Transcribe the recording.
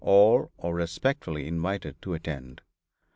All are respectfully invited to attend."